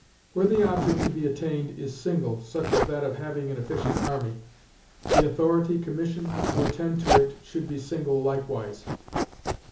Where the object to be attained is single (such as that of having an efficient army), the authority commissioned to attend to it should be single likewise.